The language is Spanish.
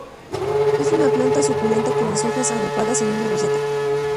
Es una planta suculenta con las hojas agrupadas en una roseta.